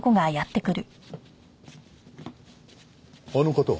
あの方は？